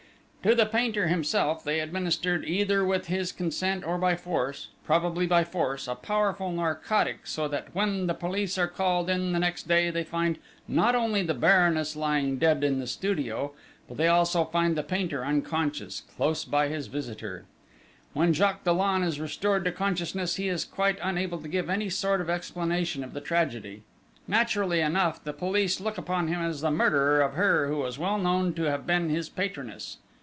To the painter himself they administered either with his consent or by force probably by force a powerful narcotic, so that when the police are called in next day they not only find the Baroness lying dead in the studio, but they also find the painter unconscious, close by his visitor. When Jacques Dollon is restored to consciousness, he is quite unable to give any sort of explanation of the tragedy; naturally enough, the police look upon him as the murderer of her who was well known to have been his patroness....